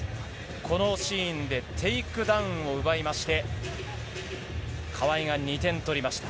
このシーンでテイクダウンを奪いまして川井が２点を取りました。